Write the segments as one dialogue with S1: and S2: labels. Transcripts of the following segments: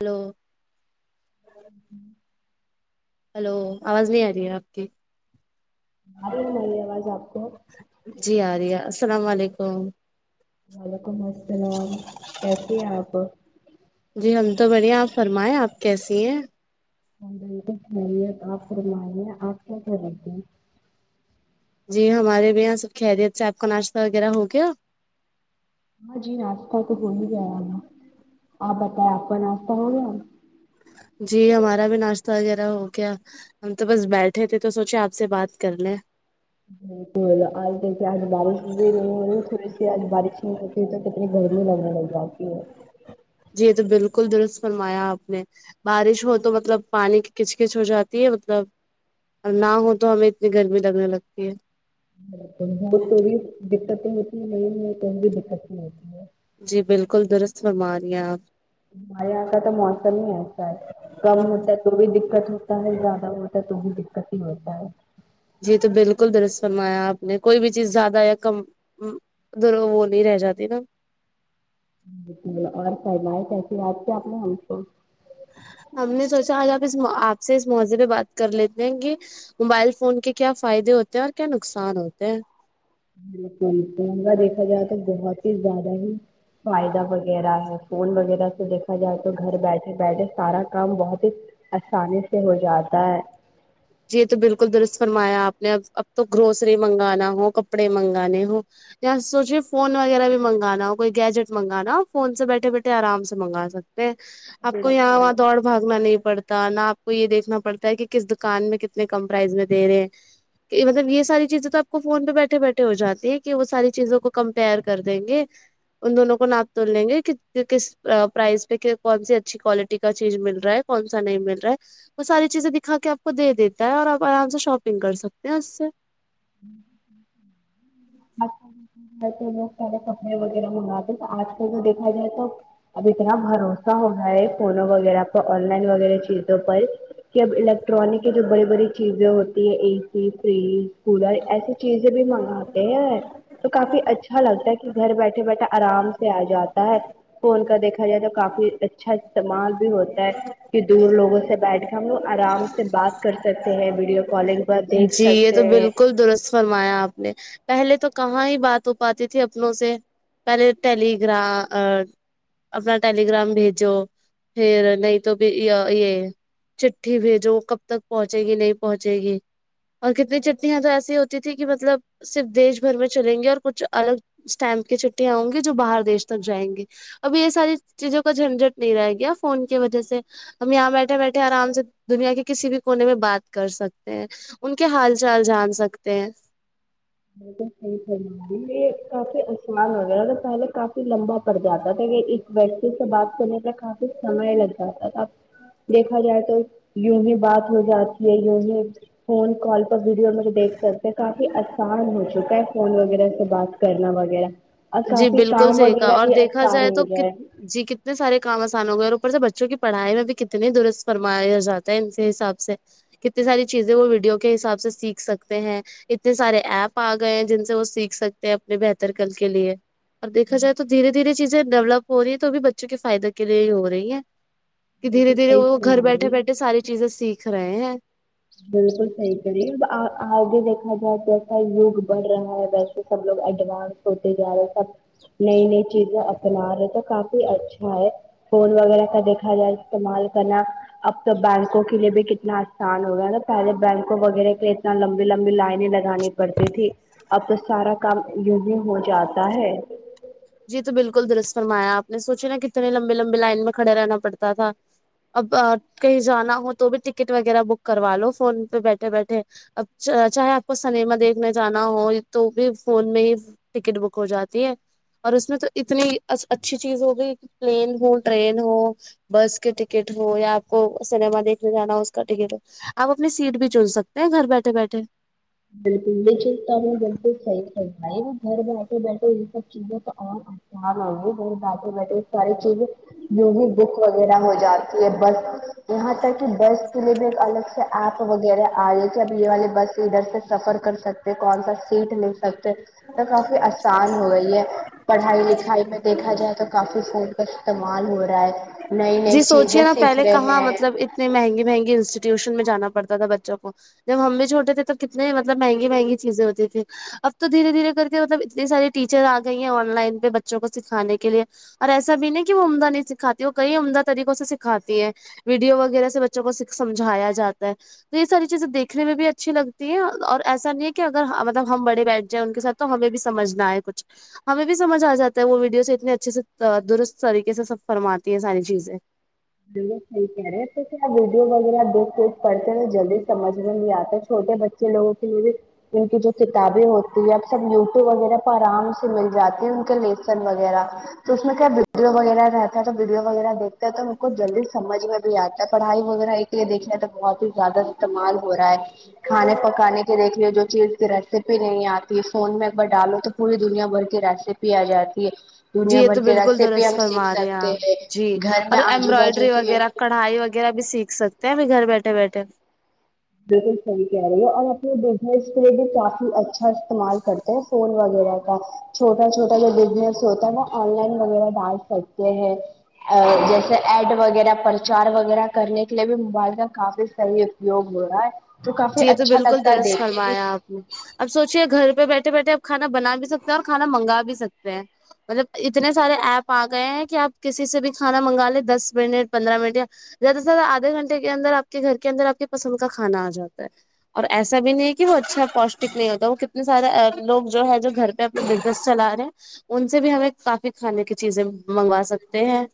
S1: hello
S2: جی جی
S1: hello آواز نہیں آ رہی ہے آپ کی
S2: اتی نہیں آواز آپ کو
S1: جی آ رہی ہے السلام علیکم
S2: وعلیکم السلام کیسیے ہیں آپ
S1: جی ہم تو بڑھیاے آپ فرمائیں آپ کیسی ہیں
S2: بالکل خیریت آپ فرمانیے آپ کیا کرہ رہے تھ ہیں
S1: جی ہمارے بھی یہاں سب خیریت سے آپ کا ناشتہ وغیرہ ہو گیا
S2: ہاں جی ناشتہ تو ہو ہی گیا ہم آپ بتاو آپ کو ناشتہ ہو گیا
S1: جی ہمارا بھی ناشتہ وغیرہ ہو گیا ہم تو بس بیٹھے تھے تو سوچے آپ سے بات کر لیں
S2: بالک آج دیکے آج بارش بھی تھویے س آج بارش نہیں [unintelligible] پھر تو کتنی گرمی لگنے لگ جاتی ہے
S1: جی یہ تو بالکل درست فرمایا آپ نے بارش ہو تو مطلب پانی کی کچ کچ ہو جاتی ہے مطلب اور نہ ہو تو ہمیں اتنی گرمی لگنے لگتی ہے
S2: وہ تو بھی دقتیں ہوتی نہیں تو بھی دقت نہیں ہوتی ہے
S1: جی بالکل درست فرماری ہیں آپ
S2: ہم آ کا تو موسم ہی ایسا ہے کم ہوتا ہے تو بھی دقت ہوتا ہے زیادہ ہوتا ہے تو بھی دقت ہی ہوتا ہے
S1: جی جی بالکل درست فرمایا آپ نے کوئی بھی چیز زیادہ یا کم ادھر وہ نہیں رہ جاتی نا
S2: ج اور س بائے کیسی د سے آپ نے ہم کو [unintelligible]
S1: ہم نے سوچا آج آپ اس آپ سے اس موضے پہ بات کر لیتے ہیں کہ موبائل فون کے کیا فائدے ہوتے ہیں اور کیا نقصان ہوتے ہیں
S2: بالکل توا دیکھا جائے تو بہت ہی زیادہ ہی فائدہ وغیرہ ہے فون وغیرہ سے دیکھا جائے تو گھر بیٹھے بیٹھے سارا کام بہت ہی آسانی سے ہو جاتا ہے
S1: جی تو بالکل درست فرمایا آپ نے اب اب تو گروسری منگانا ہو کپڑے منگانے ہو سوچے فون وغیرہ بھی منگانا ہو کوئی گیجٹ منگانا فون سے بیٹھے بیٹھے آرام سے منگا سکتے آپ کو یہاں
S2: بالکل
S1: وہاں دوڑ بھاگنا نہیں پڑتا نہ آپ کو یہ دیکھنا پڑتا ہے کہ کس دکان میں کتنے کم پرائز میں دے رہے ہیں مطلب یہ ساری چیزیں تو آپ کو فون پہ بیٹھے بیٹھے ہو جاتی ہیں کہ وہ ساری چیزوں کو کمپیئر کر دیں گے ان دونوں کو ناپ توول لیں گے کس پرائز پہ کون سی اچھی کوالٹی کا چیز مل رہا ہے کون سا نہیں مل رہا ہے وہ ساری چیزیں دکھا کے آپ کو دے دیتا ہے اور آپ آرام سے شاپنگ کر سکتے ہیں اس سے
S2: تو لوگ سارے کپڑے وغیرہ منگاتے آج کل کا دیکھا جائے تو اب اتنا بھروسہ ہوگیا ہے فونوں وغیرہ پر آن لائن وغیرہ چیزوں پر کہ اب الیکٹرانک کی جو بڑی بڑی چیزیں ہوتی ہیں اے سی فریج کولر ایسی چیز یں بھی منگاتے ہیں تو کافی اچھا لگتا ہے کہ گھر بیٹھے بیٹھے آرام سے آ جاتا ہے فون کا دیکھا جائے تو کافی اچھا استعمال بھی ہوتا ہے کہ دور لوگوں سے بیٹھ کے ہم لوگ آرام سے بات کر سکتے ہیں ویڈیو کالنگ پر دیکھ
S1: جی یہ تو
S2: سکتے ہیں
S1: بالکل درست فرمایا آپ نے پہلے تو کہاں ہی بات ہو پاتی تھی اپنوں سے پہلے ٹیلی گرا آن اپنا ٹیلی گرام بھیجو پھر نہیں تو بھی یہ یے چٹھی بھیجو وہ کب تک پہنچے گی نہیں پہنچے گی اور کتنی چٹنیاں تو ایسی ہوتی تھیں کی مطلب صرف دیش بھر میں چلیں گے اور کچھ الگ اسٹمپ کی چٹیاں ہوں گی جو باہر دیش تک جائیں گے ابھی یے ساری چیزوں کا جھنجھٹ نہیں رہے گیا فون کی وجہ سے ہم یہاں بیٹھے بیٹھے آرام سے دنیا کے کسی بھی کونے میں بات کر سکتے ہیں ان کے حال چال جان سکتے
S2: ب تو صحیح فرما رہی ہے کافی آسان وغیرہ تو پہلے کافی لمبا پڑ جاتا تھا کہ ایک ویکتی سے بات کرنے پ کافی سمے لگ جاتا تھا دیکھا جائے تو یوہی بات ہو جاتی ہے یوہی فون کال ویڈیو میں دیکھ سکتے ہیں کافی آسان ہو چکا ہے فون وغیرہ سے بات کرنا وغیرہ اور
S1: جی
S2: کافی
S1: بالکل
S2: کام
S1: صحیح کا
S2: وغیرہ
S1: اور
S2: بھی
S1: دیکھا
S2: آسان
S1: جائے
S2: ہو
S1: تو
S2: گیا ہے
S1: کت جی کتنے سارے کام آسان ہو گئے اور اوپر سے بچوں کی پڑھائی میں بھی کتنی درست فرمایا جاتا ہے ان سے حساب سے کتنی ساری چیزیں وہ ویڈیو کے حساب سے سیکھ سکتے ہیں اتنے سارے ایپ آ گئے ہیں جن سے وہ سیکھ سکتے ہیں اپنے بہتر کل کے لیے اور دیکھا جائے تو دھیرے دھیرے چیزیں ڈیولپ ہو رہی ہے تو وہ بھی بچوں کے فائدے کے لیے ہی ہو رہی ہیں کی دھیرے
S2: بالکل
S1: دھیرے
S2: صحیح
S1: وہ گھر
S2: فرما
S1: بیٹھے
S2: رہی ہے
S1: بیٹھے ساری چیزیں سیکھ رہے ہیں
S2: بالکل صحیح کے رہی آ آگے دیکھا جائے ایسا یگ بڑھ رہا ہے ویسے سب لوگ ایڈوانس ہوتے جارے سب نئی نئی چیزیں اپنا رہے تو کافی اچھا ہے فون وغیرہ کا دیکھا جائے استعمال کرنا اب تو بینکوں کے لیے بھی کتنا آسان ہے نہ پہلے بینکوں وغیرہ کے اتنا لمبی لمبی لائنے لگانی پڑتی تھی اب تو سارا کام یو ہی ہو جاتا ہے
S1: جی تو بالکل درس فرمایا آپ نے سوچے نا کتنے لمبے لمبے لائن میں کھڑے رہنا پڑتا تھا اب کہیں جانا ہو تو بھی ٹکٹ وغیرہ بک کروا لو فون پے بیٹھے بیٹھے اب چا چاہے اپ کو سنیما دیکھنے جانا ہو تو بھی فون میں ٹکٹ بک ہو جاتی ہے اور اسمے تو اتنی از اچھی چیز ہوگیی پلین ہو ٹرین ہو بس کے ٹکٹ ہو یا آپ کو سنیما دیکھنے جانا ہو اس کا ٹکٹ اپ اپنی سیٹ بھی چن سکتے ہے گھر بیٹھے بیٹھے
S2: بالکل یے چیز تو آپ نے بالکل صحیح فرمایی گھر بیٹھے بیٹھے یے سب چیزیں تو ام ام ہو گیی گھر بیٹھے بیٹھے ساری چیزیں یو ہی بک وغیرہ ہو جاتی ہے بس یہاں تک کی بس کے لیے بھی ایک الگ سے ایپ وغیرہ آئے کے اب یے والے بس ادھر سے سفر کر سکتے کون سا سیٹ مل سکتے تو کفی آسان ہوگیی ہے پڑھائی لکھائی میں دیکھا جائے تو کافی فون کا استعمال ہو رہا ہے نئی نئی
S1: جی
S2: چیزیں
S1: سوچیے نا
S2: سیکھ
S1: پہلے
S2: رہے
S1: کہاں
S2: ہیں
S1: مطلب اتنے مہنگی مہنگی انسٹیٹیوشن میں جانا پڑتا تھا بچوں کو جب ہم بھی چھوٹے تھے تب کتنے مطلب مہگی مہگی چیزے ہوتی تھی اب تو دھیرے دھیرے کر کے مطلب اتنی ساریی ٹیچر آ گئی ہیں آن لائن پے بچوں کو سکھانے کے لیے اور ایسا بھی نہیں کی وہ عمدہ نہیں سکھاتی کئی عمدہ طریقوں سے سکھاتی ہے ویڈیو وغیرہ سے بچوں کو سک سمجھایا جاتا ہے تو یے ساری چیزیں دیکھنے میں بھی اچھی لگتی ہیں اور ایسا نہیں ہے کی اگر مطلب ہم بڑے بیٹھ جائیں ان کے ساتھ تو ہمیں بھی سمجھ نا آے کچھ ہمیں بھی سمجھ آ جاتا ہے وہ ویڈیوز سے اتنے اچھے سے درست طریقے سے سب فرماتی ہیں ساری چیزیں
S2: باکل صحیح کہہ رہے ہیں تو کیا ویڈیو وغیرہ دکھ کے پڑتے ہیں جلدی سجھ میں نہیں آتا چھوٹے بچ چالو ٹیھک ہے ان کی جو کتابیں ہوتی ہے اب سب یوٹیوب وغیرہ پے آرام سے مل جی ہیں ان کے لیسن وغیرہ تو اس میں کیا ویڈیو وغیرہ رہتا ہے تو ویڈیو وغیرہ دیکتے تو کو جلدی سمجھ میں بھی آتا ہے پڑھائی وغیرہ ایک لیے دیکھنے تو بہت ہی زیادہ استعمال ہو رہا ہے کھانے پکانے کے دیکھ لیے جو چیز ریسیپی نہیں آتی ہے فون میں ایک بار ڈالو تو پوری دنیا بھر کی ریسیپی آ جاتی ہے
S1: جی
S2: دنیا
S1: یہ تو
S2: بھر کی
S1: بالکل
S2: ریسیپی
S1: درس
S2: ہم سیکھ
S1: فرما رہے ہیں
S2: سکتے
S1: آپ جی
S2: گھر
S1: اور
S2: میں آج
S1: ایمبرائڈری ٹری وغیرہ
S2: بالکل
S1: کڑھائی وغیرہ بھی سیکھ سکتے ہیں ابھی گھر بیٹھے بیٹھے
S2: بالکل صحیح کہہ رہی ہو اور اپنی اس کے لئے بھی کافی اچھا استعمال کرتے ہیں فون وغیرہ چھوٹا چھوٹا جو بزنس ہوتا ہے نا آن لائن وغیرہ ڈال سکتے ہیں جیسے ایڈ وغیرہ پرچار وغیرہ کرنے کے لیے بھی موبائل کا کافی صحیح اپیوگ ہو رہا ہے تو کافی
S1: جی یہ تو
S2: اچھا
S1: بالکل
S2: لگتا ہے
S1: درست
S2: دیکھ کے کی
S1: فرمایا آپ اب سوچیے گھر پے بیٹھے بیٹھے اپ کھانا بنا بھی سکتے ہیں اور کھانا منگا بھی سکتے ہیں مطلب اتنے سارے ایپ آ گئے ہیں کہ آپ کسی سے بھی کھانا منگا لیں دس منٹ پندرہ منٹ یا زیادہ سے زیادہ آدے گھنٹے کے اندر آپ کے گھر کے اندر آپ کی پسند کا کھانا آ جاتا ہے اور ایسا بھی نہیں ہے کہ وہ اچھا پوشٹک نہیں ہوتا وہ کتنے سارے لوگ جو ہے جو گھر پہ اپ بزنس چلا رہے ہیں ان سے بھی ہمیں کافی کھانے کی چیزیں منگوا سکتے ہیں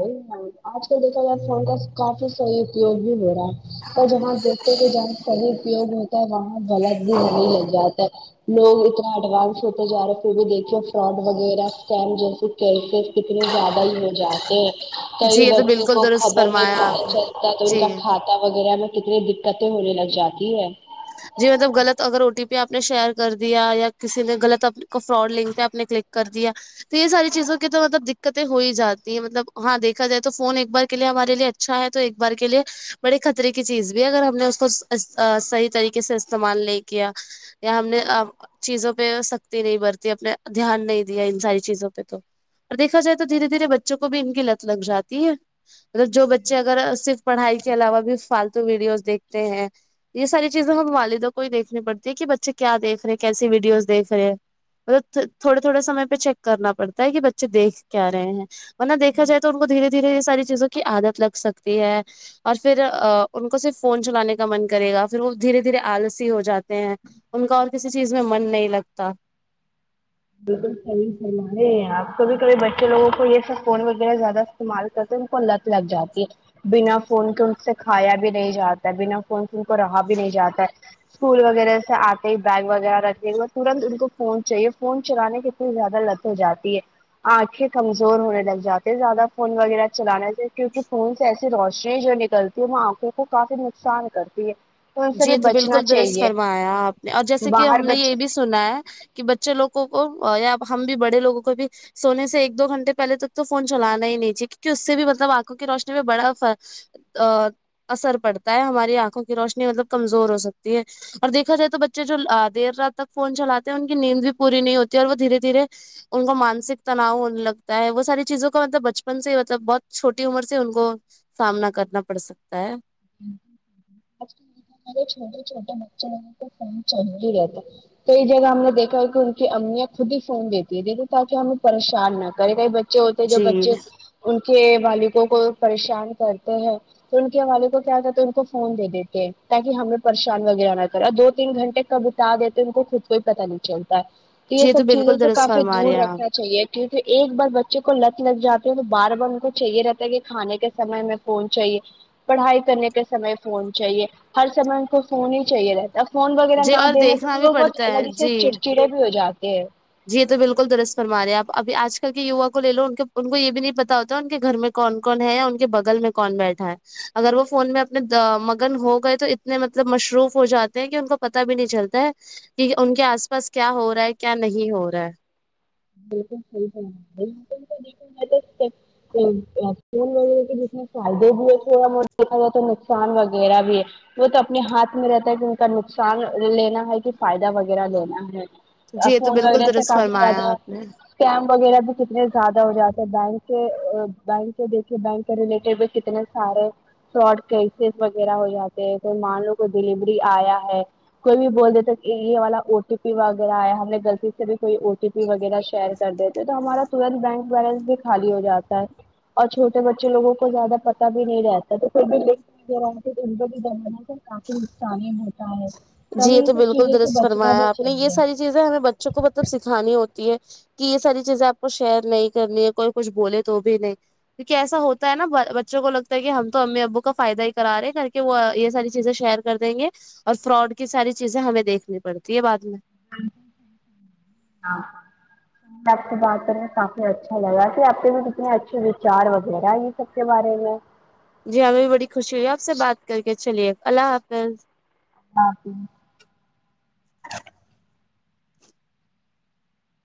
S2: ا آج تو دیکھا جائے فون کا کافی صحیح اپوگ بھی ہو رہا ہے پر جہاں دیکھتے کہ جہاں سر پیوگ ہوتا ہے وہاں غلط بھی نہیں لگ جاتا ہے لوگ اتنا ایڈوانس ہوتے جا رہے پھر بھی دیکھیے فراڈ وغیرہ ین جیس کیسے کتنے زیادہ ہی ہو ج کئی
S1: جی یہ تو
S2: بچی
S1: بالکل
S2: کو
S1: درست
S2: خبر نہیں
S1: فرمایا
S2: پتا
S1: آپ نے
S2: چلتا تو ان کا
S1: جی
S2: کات وغیرہ میں کتنی دقتیں ہونے لگ جاتی ہے
S1: جی مطلب غلط اگر او ٹی پی آپ نے شیئر کر دیا یا کسی نے غلط کو فراڈ لنک پہ آپ نے کلک کر دیا تو یہ ساری چیزوں کی تو مطلب دقتیں ہو ہی جاتی ہیں مطلب ہاں دیکھا جائے تو فون ایک بار کے لیے ہمارے لیے اچ اچھا ہے تو ایک بار کے لیے بڑے خطرے کی چیز بھی اگر ہم نے اس کو اس ص صحیح طریقے اسے استعمال نہی کیا یا ہم نے چیزوں پہ سختی نہیں برتی اپنے دھیان نہیں دیا ان ساری چیزوں پہ تو اور دیکھا جائے تو دھیرے دھیرے بچوں کو بھی ان کی لت لگ جاتی ہے مطلب جو بچے اگر صرف پڑھائی کے علاوہ بھی فالتو ویڈیوز دیکھتے ہیں یہ ساری چیزیں ہم والدہ کو ہی دیکھنی پڑتی ہے بچے کیا دیکھ رہے کیسی ویڈیوز دیکھ رہے ہیں وو تو تھوڑے تھوڑے سمے پہ چیک کرنا پڑتا ہے کہ بچے دیکھ کیا رہے ہیں ورنہ دیکھا جائے تو ان کو دھیرے دھیرے یہ ساری چیزوں کی عادت لگ سکتی ہے اور پھر ا ان کو صرف فون چلانے کا من کرے گا دھیرے دھیرے آلسی ہو جاتے ہیں ان کا اور کسی چیز میں من نہیں لگتا
S2: بالکل صحیح سلے آپ کبھی کبھی بچے لوگوں کو یہ سب فون وغیرہ زیادہ استعمال انکو لت لگ جاتی ہے بنا فون کے ان سے کھایا بھی نہیں جاتا بنا فون کے ان کو رہا بھی نہیں جاتا ہے اسکول وغیرہ سے آتے بیگ وغیرہ رکھتے ترنت ان کو فون چاہیے فون چلانے کتنی زیادہ لت ہو جاتی ہے آنکھیں کمزور ہونے لگ جاتے زیادہ فون وغیرہ چلانے سے کیونکہ فون سے ایسی روشنی جو ڈلتی ہے وہاں آنکھوں کو کافی نقصان کرتی ہے ان سے
S1: جی
S2: بھی
S1: تو
S2: بچنا
S1: بالکل درست
S2: چاہیے
S1: فرمایا آپ نے اور جیسے کہ
S2: باہر
S1: ہم نے یہ
S2: بچے
S1: بھی سنا ہے کہ بچے لوگوں کو یا ہم بھی بڑے لوگوں کو بھی سونے سے ایک دو گھنٹے پہلے تک تو فون چلانا ہی نہیں چاہے کیونکہ اس سے بھی مطلب آنکھوں کی روشنی میں بڑا ا اثر پڑتا ہے ہماری آنکھوں کی روشنی مطلب کمزور ہو سکتی ہے اور دیکھا جائے تو بچے جو دیر رات تک فون چلاتے ہیں ان کی نیند بھی پوری نہیں ہوتی ہے اور وہ دھیرے دھیرے ان کو مانسک تناؤ ہونے لگتا ہے وہ ساری چیزوں کا مطلب بچپن سے مطلب بہت چھوٹی عمر سے ان کو سامنا کرنا پڑ سکتا ہے
S2: میرے چھوٹے چھوٹے بچے ہے جنکو فون چاہیے ہی رہتا ہے تو اس جگہ ہم نے دیکھا ہو کہ ان کی امیاں خود ہی فون دیتی ہے تاکہ ہمیں پریشان نہ کائی کائی بچے ہوتے ہیں جو
S1: جی
S2: بچے ان کے والدوں کو پریشان کرتے ہیں تو ان کے والد کو کیا کہتے ان کو فون دے دیتے تاکہ ہمیں پریشان وغیرہ نہ کرے اور دو تین گھنٹے کب اتار دیتے ان کو خود کو ہی پتا نہیں چلتا تو یہ
S1: جی
S2: سب چیزوں
S1: بالکل
S2: سے
S1: درست
S2: کافی
S1: فرما رہے
S2: دور
S1: ہیں آپ
S2: رکھنا چاہیے کیونکہ ایک بار بچے کو لت لگ جاتی ہے تو بار بار ان کو چاہیے رہتا ہے کہ کھانے کے سمے میں فون چاہیے پڑھائی کرنے کے سمے فون چاہیے ہر سمے ان کو فون ہی چاہیے رہتا یا فون وغیرہ
S1: جی
S2: نہ
S1: اور
S2: دینے پر
S1: دیکھنا
S2: بھی وہ بہت
S1: پڑتا ہے
S2: الگ ہی سے
S1: جی
S2: چڑچڑے بھی ہو جاتے ہیں
S1: جی یہ تو بلکل درست فر مارے آپ ابھی آج کل کے یوا کو لے لو ان کو یہ بھی نہیں پتا ہوتا ان کے گھر میں کون کون ہے یا ان کے بگل میں کون بیٹھا ہے اگر وہ فون میں اپنے مگن ہو گئے تو اتنے مطلب مصروف ہو جاتے ہیں کہ ان کو پتہ بھی نہیں چلتا ہے کہ ان کے آس پاس کیا ہو رہا ہے کیا نہیں ہو رہا ہے
S2: بالکل صحیح فرما رہی فون وغیرہ کے جس میں فائدے بھی ہے تھوڑا دیکھا جائے تو نقصان وغیرہ بھی ہے وہ تو اپنے ہاتھ میں رہتا ہے کہ ان کا نقصان لینا ہے کہ فائدہ وغیرہ لینا ہے
S1: جی یہ تو
S2: فون
S1: بالکل
S2: وغیرہ سے
S1: درست
S2: کافی
S1: فرمایا
S2: زیادہ
S1: آپ نے
S2: اسکایم وغیرہ بھی کتنے زیادہ ہو جاتے ہیں بینک کے بینک کے دیکھیے بینک ریلیٹڈ بھی کتنے سارے شاٹ کیسز وغیرہ ہو جاتے ہیں کوئی مانلو کوئی ڈیلیوری آیا ہے کوئی بھی بول دیتا ہے یہ والا او ٹی پی وغیرہ آیا ہے ہم نے غلطی سے بھی کوئی او ٹی پی وغیرہ شیر کر دیتے ہے تو ہمارا تورنت بینک بیلنس بھی خالی ہو جاتا ہے اور چھوٹے بچے لوگوں کو زیادہ پتہ بھی نہیں رہتا تو کوئی بھی لنک [unintelligible] نقصانی ہی ہوتا ہے تو
S1: جی
S2: ہمیں یہ
S1: تو
S2: سب
S1: بالکل
S2: چیزوں سے
S1: درست
S2: بچنا
S1: فرمایا
S2: بھی
S1: آپ نے یہ
S2: چاہیے
S1: ساری چیزیں ہمیں بچوں کو مطلب سکھانی ہوتی ہے کہ یہ ساری چیزیں آپ کو شیئر نہیں کرنی ہے کوئی کچھ بولے تو بھی نہیں کیونکہ ایسا ہوتا ہے نا بچوں کو لگتا ہے کہ ہم تو امی ابو کا فائدہ ہی کرا رہے ہیں کر کے وہ یہ ساری چیزیں شیئر کر دینگے اور فراڈ کی ساری چیزیں ہمیں دیکھنی پڑتی ہے بعد میں
S2: ہ آپ سے بات کرکے کافی اچھا لگا کہ آپ کے بھی کتنے اچھے وچار وغیرہ ہے یہ سب کے بارے میں
S1: جی ہمیں بھی بڑی خوشی ہوئی ہے آپ سے بات کر کے چلیے اللہ حافظ
S2: اللہ حافظ